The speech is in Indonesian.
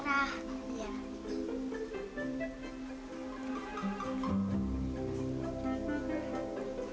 kalo bibirnya aku jele motar